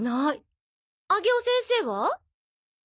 上尾先生は？